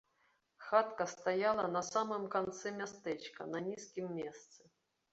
Хатка стаяла на самым канцы мястэчка на нізкім месцы.